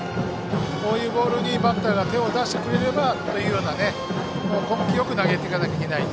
こういうボールにバッターが手を出してくれればと投げていかないといけない。